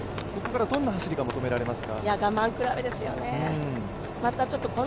ここからどんな走りが求められますか？